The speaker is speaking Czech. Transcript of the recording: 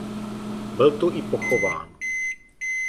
Byl tu i pochován.